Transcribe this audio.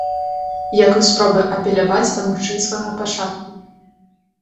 Як і спробы апеляваць да мужчынскага пачатку.